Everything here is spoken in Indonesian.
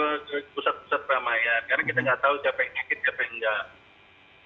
ya salah satunya adalah stoplah pusat pusat peramah ya karena kita nggak tahu siapa yang sakit siapa yang nggak